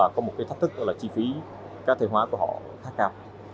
có một cái thách thức là chi phí cá thể hóa của họ khá cao